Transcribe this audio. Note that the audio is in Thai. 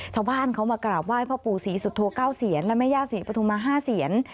ชาวบ้านเขามากราบว่าพระปู่ศรีสุธโทเก้าเศียร์และแม่ย่าศรีปฐุมาห้าเศียร์